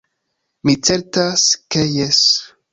Mi certas ke jes.